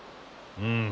うん。